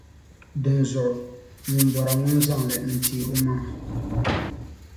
Dinzuɣu, ŋun bɔra ŋun zaŋ li n-teei o maŋa.